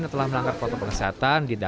yang telah melanggar protokol kesehatan